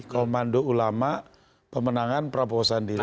komando ulama pemenangan prabowo sandi